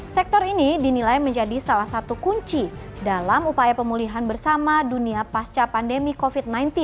sektor ini dinilai menjadi salah satu kunci dalam upaya pemulihan bersama dunia pasca pandemi covid sembilan belas